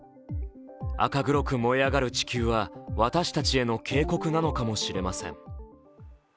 赤黒く燃え上がる地球は私たちへの警告なのかもしれません。